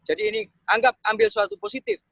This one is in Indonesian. jadi ini anggap ambil suatu positif